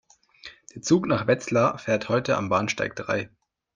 Der Zug nach Wetzlar fährt heute am Bahnsteig drei